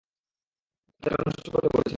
বাচ্চাটা নষ্ট করতে বলেছেন।